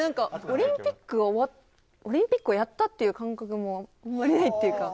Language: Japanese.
オリンピックをやったという感覚もあまりないというか。